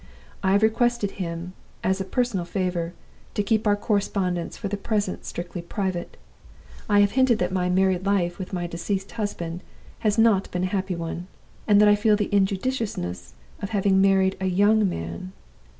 I have requested him, as a personal favor, to keep our correspondence for the present strictly private. I have hinted that my married life with my deceased husband has not been a happy one; and that I feel the injudiciousness of having married a young man.